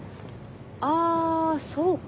あぁそうか。